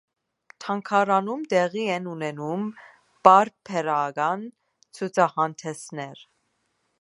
Թանգարանում տեղի են ունենում պարբերական ցուցահանդեսներ։